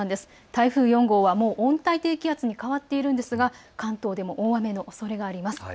台風４号はもう温帯低気圧に変わっているんですが関東でも大雨のおそれがあります。